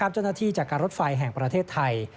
เจ้าหน้าที่จากการรถไฟแห่งประเทศไทย